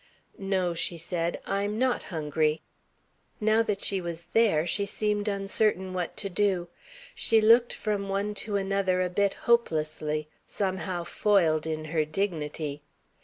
"No," she said. "I'm not hungry." Now that she was there, she seemed uncertain what to do. She looked from one to another a bit hopelessly, somehow foiled in her dignity.